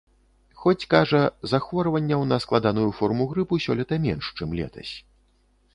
Хоць, кажа, захворванняў на складаную форму грыпу сёлета менш, чым летась.